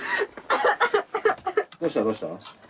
どうしたどうした？